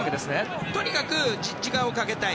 とにかく時間をかけたい。